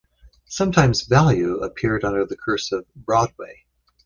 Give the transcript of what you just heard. Sometimes "Value" appeared under the cursive "Broadway".